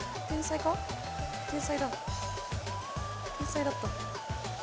天才だった。